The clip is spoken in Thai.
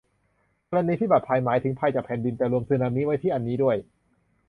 ธรณีพิบัติภัย หมายถึงภัยจากแผ่นดิน แต่รวมสึนามิไว้ที่อันนี้ด้วย